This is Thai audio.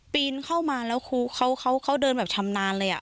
ปีนเข้ามาแล้วเขาเขาเขาเขาเดินแบบชำนาญเลยอ่ะ